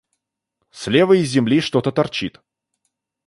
Слева из земли что-то торчит.